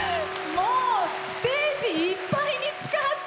もうステージいっぱいに使って！